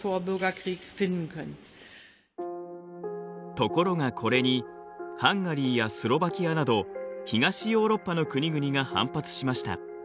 ところがこれにハンガリーやスロバキアなど東ヨーロッパの国々が反発しました。